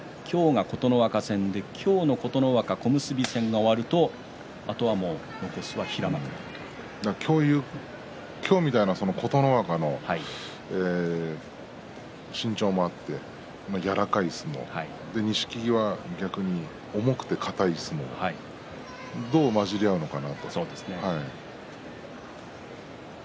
今日の琴ノ若小結戦が終わると今日みたいな、琴ノ若身長もあって柔らかい相撲錦木は逆に重くて硬い相撲どう混じり合うのかなと。